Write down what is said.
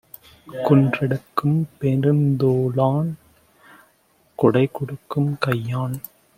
குன்றெடுக்கும் பெருந்தோளான் கொடைகொடுக்கும் கையான்!